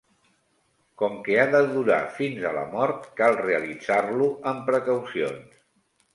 Com que ha de durar fins a la mort, cal realitzar-lo amb precaucions.